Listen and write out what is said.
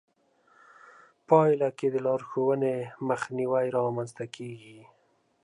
پايله کې د لارښوونې مخنيوی رامنځته کېږي.